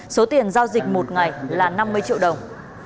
số tiền giao dịch một ngày là năm mươi triệu đồng